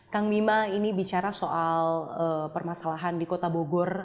kang bima ini bicara soal permasalahan di kota bogor